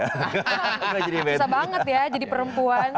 susah banget ya jadi perempuan